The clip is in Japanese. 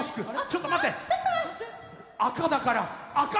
ちょっと待って。